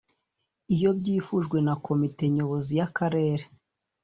iyo byifujwe na Komite Nyobozi ya karere